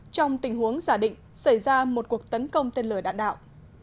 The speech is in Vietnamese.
trong tình huống giả định xảy ra một cuộc tấn công tên lửa đạn đạo